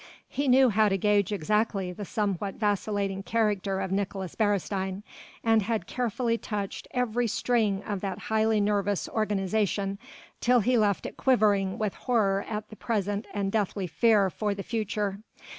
He knew how to gauge exactly the somewhat vacillating character of Nicolaes Beresteyn, and had carefully touched every string of that highly nervous organization till he left it quivering with horror at the present and deathly fear for the future.